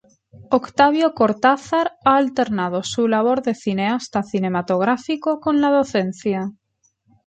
Octavio Cortázar ha alternado su labor de cineasta cinematográfico con la docencia.